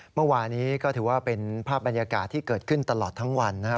เมื่อวานี้ก็ถือว่าเป็นภาพบรรยากาศที่เกิดขึ้นตลอดทั้งวันนะครับ